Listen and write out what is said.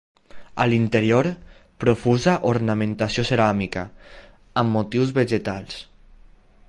A l'interior, profusa ornamentació ceràmica, amb motius vegetals.